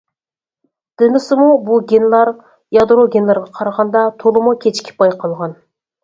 دېمىسىمۇ، بۇ گېنلار يادرو گېنلىرىغا قارىغاندا تولىمۇ كېچىكىپ بايقالغان.